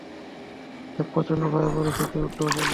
এক প্রচণ্ড ও ভয়াবহ পরিস্থিতির উদ্ভব হল।